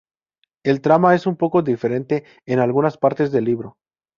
La trama es un poco diferente en algunas partes del libro.